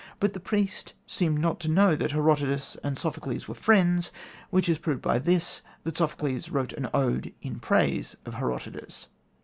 But the priest seemed not to know that Herodotus and Sophocles were friends, which is proved by this, that Sophocles wrote an ode in praise of Herodotus.